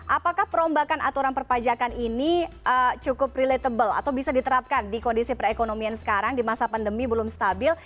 apakah perombakan aturan perpajakan ini cukup relatable atau bisa diterapkan di kondisi perekonomian sekarang di masa pandemi belum stabil